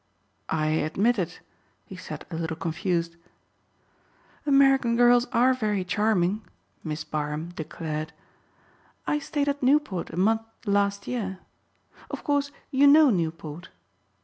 "I admit it," he said a little confused. "American girls are very charming," Miss Barham declared. "I stayed at Newport a month last year. Of course you know Newport?"